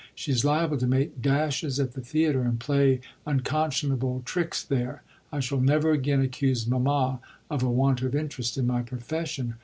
She's liable to make dashes at the theatre and play unconscionable tricks there. I shall never again accuse mamma of a want of interest in my profession.